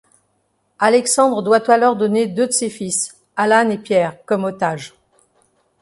Alexandre doit alors donner deux de ses fils, Alan et Pierre, comme otages.